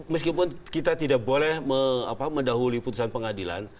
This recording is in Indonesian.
meskipun kita tidak boleh mendahului putusan pengadilan